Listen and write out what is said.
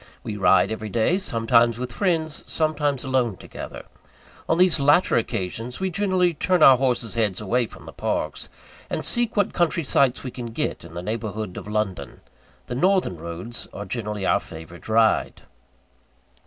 We ride every day sometimes with friends, sometimes alone together. On these latter occasions, we generally turn our horses' heads away from the parks, and seek what country sights we can get in the neighbourhood of London. The northern roads are generally our favourite ride.